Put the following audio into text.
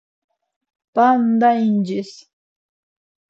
p̌anda incirs.